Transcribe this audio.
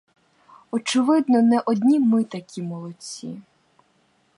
Очевидно, не одні ми такі молодці.